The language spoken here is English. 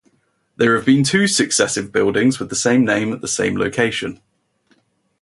There have been two successive buildings with the same name at the same location.